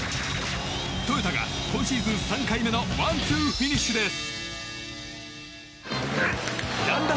トヨタが今シーズン３回目のワンツーフィニッシュです。